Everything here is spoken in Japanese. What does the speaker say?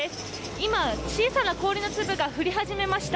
今、小さな氷の粒が降り始めました。